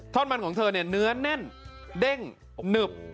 ทอดมันของเธอเนื้อแน่นเด้งหนึบ